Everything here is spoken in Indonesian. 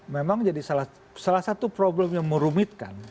memang jadi salah satu problem yang merumitkan